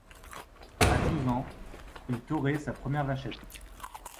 À douze ans, il torée sa première vachette.